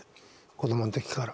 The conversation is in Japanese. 子どもの時から。